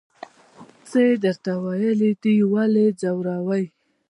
څه یې درته ویلي دي ولې یې ځوروئ.